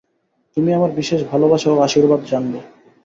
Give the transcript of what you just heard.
তুমি আমার বিশেষ ভালবাসা ও আশীর্বাদ জানবে।